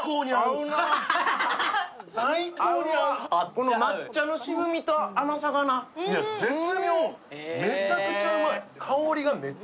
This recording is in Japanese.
この抹茶の渋みと甘さが絶妙、めちゃくちゃうまい。